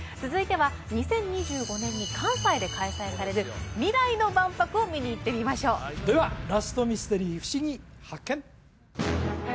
続いては２０２５年に関西で開催される未来の万博を見に行ってみましょうではラストミステリーふしぎ発見！